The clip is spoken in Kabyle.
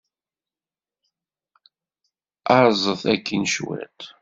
Aẓet akkin cwiṭ.